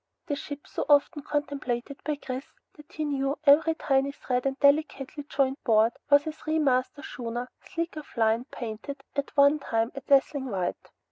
The ship, so often contemplated by Chris that he knew every tiny thread and delicately jointed board, was a three masted schooner, sleek of line, painted at one time a dazzling white.